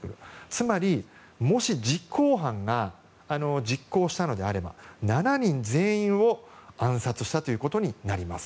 つまり、もし実行犯が実行したのであれば７人全員を暗殺したことになります。